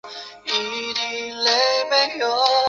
它的结构与氯胺类似。